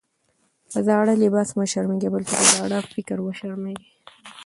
په زاړه لباس مه شرمېږئ! بلکي په زاړه فکر وشرمېږئ.